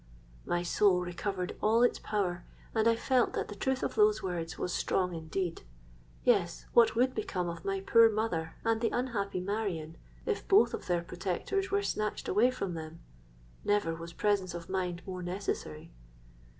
_'—My soul recovered all its power, and I felt that the truth of those words was strong indeed. Yes—what would become of my poor mother and the unhappy Marion, if both of their protectors were snatched away from them? Never was presence of mind more necessary.